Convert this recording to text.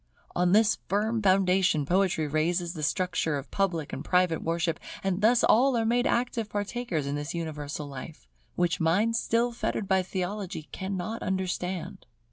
On this firm foundation Poetry raises the structure of public and private worship; and thus all are made active partakers of this universal life, which minds still fettered by theology cannot understand.